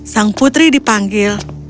sang putri dipanggil